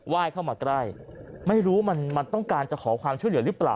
ยเข้ามาใกล้ไม่รู้มันมันต้องการจะขอความช่วยเหลือหรือเปล่า